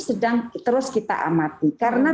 sedang terus kita amati karena